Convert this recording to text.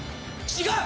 違う！